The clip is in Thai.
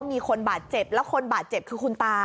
มีคนบาดเจ็บแล้วคนบาดเจ็บคือคุณตา